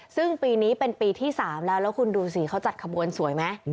ซึ่งปีนี้เป็นปีที่๓แล้วแล้วคุณดูสิเขาจัดขบวนสวยไหม